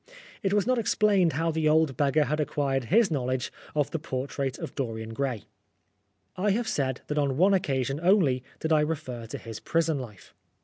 It was not explained how the old beggar had acquired his knowledge of " The Portrait of Dorian Gray." I have said that on one occasion only did I refer to his prison life.